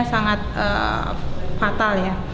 sangat fatal ya